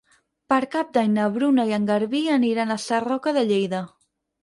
Per Cap d'Any na Bruna i en Garbí aniran a Sarroca de Lleida.